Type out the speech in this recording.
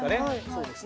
そうですね。